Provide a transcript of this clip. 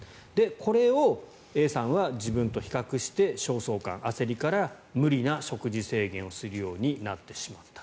これをＡさんは自分と比較して焦燥感、焦りから無理な食事制限をするようになってしまった。